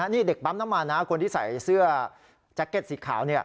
นี่เด็กปั๊มน้ำมันนะคนที่ใส่เสื้อแจ็คเก็ตสีขาว